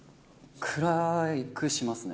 暗くしますね。